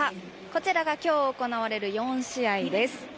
こちらがきょう行われる４試合です。